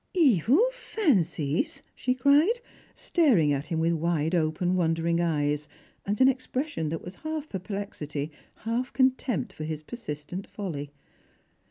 "Evil fancies!" shs cried, staring at him with wide open wondering eyes, and an expression that was half perplexity, half contempt for his persistent folly.